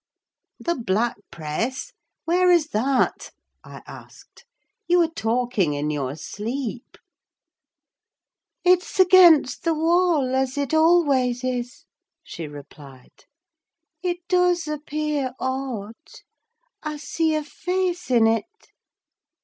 "The black press? where is that?" I asked. "You are talking in your sleep!" "It's against the wall, as it always is," she replied. "It does appear odd—I see a face in it!"